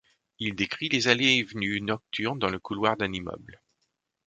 Il décrit les allées et venues nocturnes dans le couloir d'un immeuble.